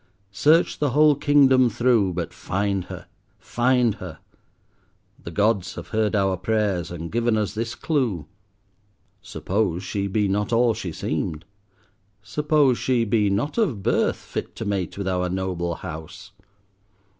Search the whole kingdom through, but find her, find her. The gods have heard our prayers, and given us this clue. "Suppose she be not all she seemed. Suppose she be not of birth fit to mate with our noble house!"